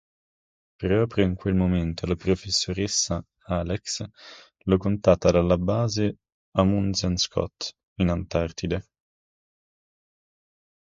Proprio in quel momento la professoressa Alex lo contatta dalla Base Amundsen-Scott, in Antartide.